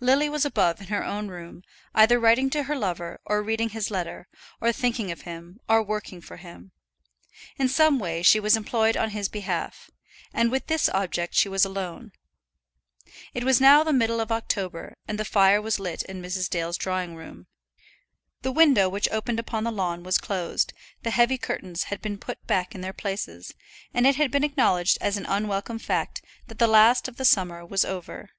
Lily was above in her own room, either writing to her lover, or reading his letter, or thinking of him, or working for him. In some way she was employed on his behalf, and with this object she was alone. It was now the middle of October, and the fire was lit in Mrs. Dale's drawing room. The window which opened upon the lawn was closed, the heavy curtains had been put back in their places, and it had been acknowledged as an unwelcome fact that the last of the summer was over.